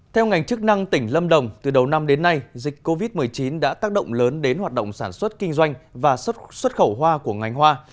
theo ngành chức năng tỉnh lâm đồng từ đầu năm đến nay dịch covid một mươi chín đã tác động lớn đến hoạt động sản xuất kinh doanh và xuất khẩu hoa của ngành hoa